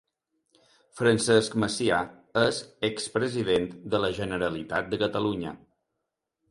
Francesc Macià és expresident de la Generalitat de Catalunya.